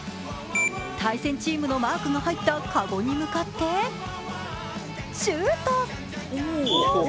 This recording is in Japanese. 対戦チームのマークが入ったかごに向かってシュート！